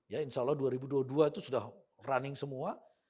ya insya allah dua ribu dua puluh dua itu sudah running semua